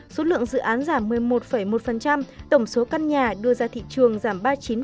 số lượng dự án giảm một mươi một một tổng số căn nhà đưa ra thị trường giảm ba mươi chín